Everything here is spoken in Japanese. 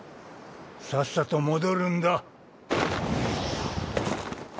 さっさと戻るんだ。